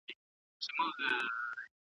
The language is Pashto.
که تمرین روان وي نو مهارت نه کمیږي.